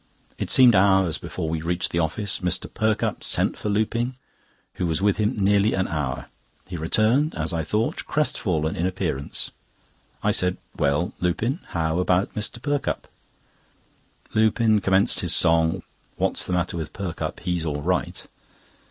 It seemed hours before we reached the office. Mr. Perkupp sent for Lupin, who was with him nearly an hour. He returned, as I thought, crestfallen in appearance. I said: "Well, Lupin, how about Mr. Perkupp?" Lupin commenced his song: "What's the matter with Perkupp? He's all right!"